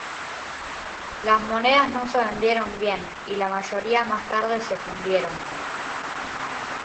Las monedas no se vendieron bien, y la mayoría más tarde se fundieron.